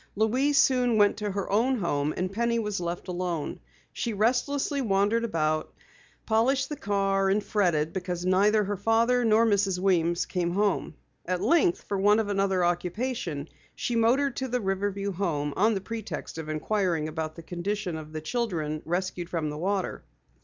Louise soon went to her own home and Penny was left alone. She restlessly wandered about, polished the car, and fretted because neither her father nor Mrs. Weems came home. At length, for want of another occupation, she motored to the Riverview Home on the pretext of inquiring about the condition of the children rescued from the water.